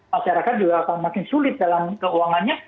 masyarakat juga akan makin sulit dalam keuangannya